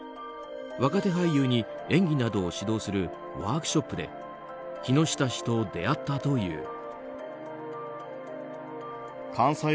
若手俳優に演技などを指導するワークショップで木下氏と出会ったという。